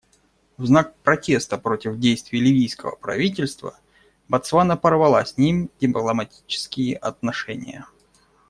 В знак протеста против действий ливийского правительства Ботсвана порвала с ним дипломатические отношения.